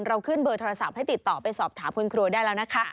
เราขึ้นเบอร์โทรศัพท์ให้ติดต่อไปสอบถามคุณครูได้แล้วนะคะ